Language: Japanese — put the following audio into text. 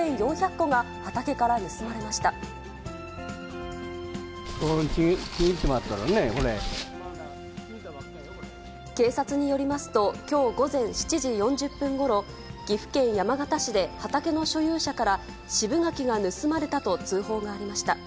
ここ、ちぎられてしまってる警察によりますと、きょう午前７時４０分ごろ、岐阜県山県市で畑の所有者から、渋柿が盗まれたと通報がありました。